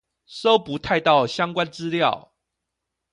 搜不太到相關資料